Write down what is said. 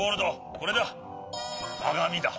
これだかがみだ。